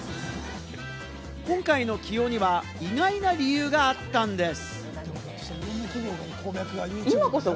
今回の起用には意外な理由があったんです。